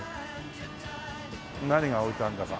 何が置いてあるんだか。